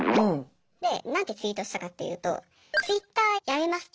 で何てツイートしたかっていうと「Ｔｗｉｔｔｅｒやめます」と。